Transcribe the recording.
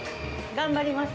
頑張ります